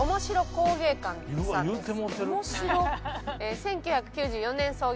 １９９４年創業。